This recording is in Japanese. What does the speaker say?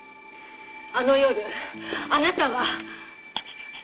あの夜あなたは。